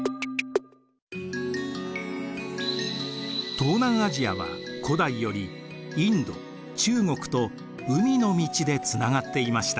東南アジアは古代よりインド中国と海の道でつながっていました。